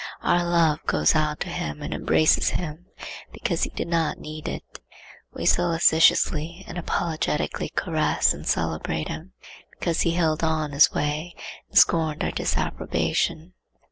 Our love goes out to him and embraces him because he did not need it. We solicitously and apologetically caress and celebrate him because he held on his way and scorned our disapprobation.